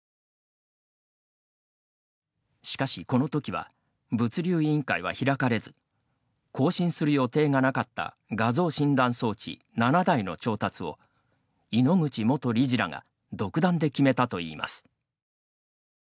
しかし、このときは物流委員会は開かれず更新する予定がなかった画像診断装置７台の調達を井ノ口元理事らが独断で決めたといいます。